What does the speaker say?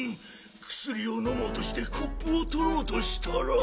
くすりをのもうとしてコップをとろうとしたら。